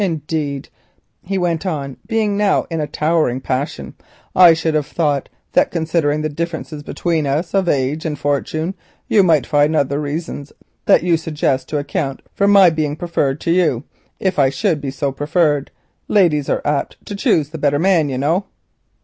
Indeed," he went on, being now in a towering passion, "I should have thought that considering the difference of age and fortune between us, you might find other reasons than you suggest to account for my being preferred, if I should be so preferred. Ladies are apt to choose the better man, you know."